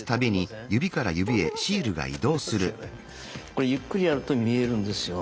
これゆっくりやると見えるんですよ。